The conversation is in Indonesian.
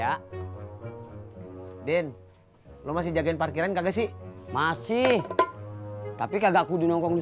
hai den lo masih jagain parkiran kagak sih masih tapi kagak kudu nongkrong di